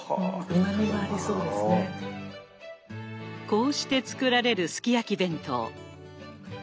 こうして作られるすき焼き弁当。